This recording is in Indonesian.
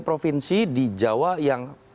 provinsi di jawa yang